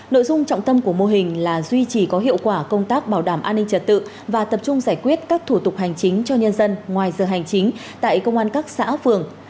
nội dung trọng tâm của mô hình là duy trì có hiệu quả công tác bảo đảm an ninh trật tự và tập trung giải quyết các thủ tục hành chính cho nhân dân ngoài giờ hành chính tại công an các xã phường